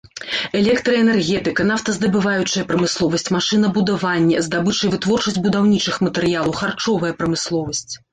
Электраэнергетыка, нафтаздабываючая прамысловасць, машынабудаванне, здабыча і вытворчасць будаўнічых матэрыялаў, харчовая прамысловасць.